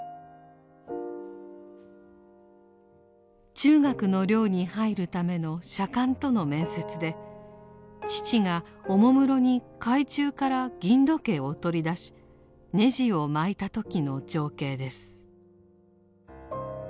中学の寮に入るための舎監との面接で父がおもむろに懐中から銀時計を取り出しねじを捲いた時の情景です。